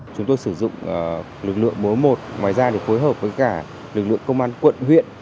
chúng tôi sử dụng lực lượng mối một ngoài ra phối hợp với cả lực lượng công an quận huyện